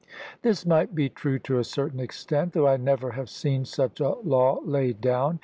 This might be true to a certain extent, though I never have seen such a law laid down.